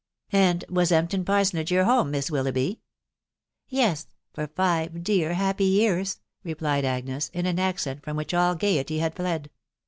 " And was Empton parsonage your home, Miss Wil loughby ?"" Yes .... for five dear happy years," replied Agnes, in an accent from which all gaiety had fled.